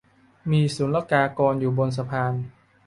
มีศุลกากรอยู่บนสะพาน